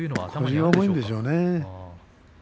腰が重いんでしょうね。